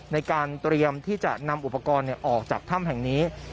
ในการเตรียมที่จะนำอุปกรณ์ออกจากถ้ำแห่งนี้